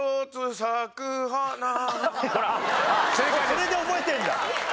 それで覚えてるんだ。